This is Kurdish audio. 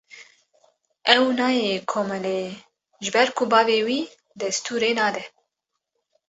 Ew nayê komeleyê ji ber ku bavê wî destûrê nade.